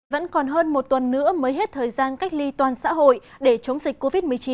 vẫn còn hơn một tuần nữa mới hết thời gian cách ly toàn xã hội để chống dịch covid một mươi chín